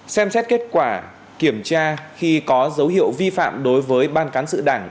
xem xét kết quả kiểm tra khi có dấu hiệu vi phạm đối với ban cán sự đảng